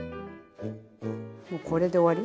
もうこれで終わり。